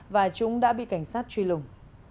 và chúng đã bị cảnh sát truy lùng